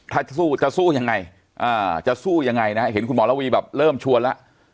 ถ้าสู้จะสู้ยังไงจะสู้ยังไงนะเห็นคุณหมอระวีแบบเริ่มชวนแล้ว